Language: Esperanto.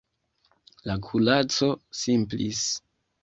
La kuraco simplis.